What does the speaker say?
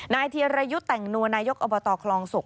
เทียรยุทธ์แต่งนัวนายกอบตคลองศก